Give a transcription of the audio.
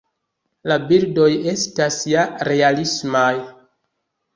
La bildoj estas ja realismaj.